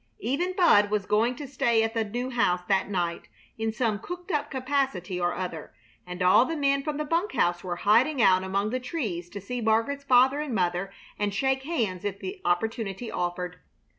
Even Bud was going to stay at the new house that night, in some cooked up capacity or other, and all the men from the bunk house were hiding out among the trees to see Margaret's father and mother and shake hands if the opportunity offered.